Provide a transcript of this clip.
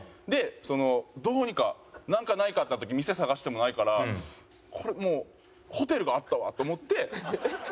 でどうにかなんかないかってなった時店探してもないからこれもうホテルがあったわと思って。